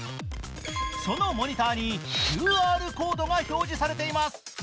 そのモニターにＱＲコードが表示されています。